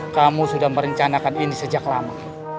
kamu sudah merencanakan ini sejak lama